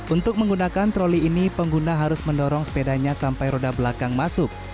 untuk menggunakan troli ini pengguna harus mendorong sepedanya sampai roda belakang masuk